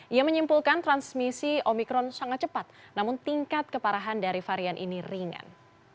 ia menyimpulkan transmisi omikron sangat cepat namun tingkat keparahan dari varian ini ringan